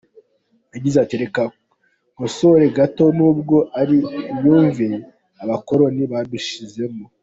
Yagize ati “Reka nkosore gato n’ubwo ari imyumvire Abakoloni badushyizemo.